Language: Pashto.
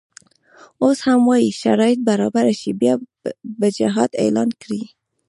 اوس هم وایي شرایط برابر شي بیا به جهاد اعلان کړي.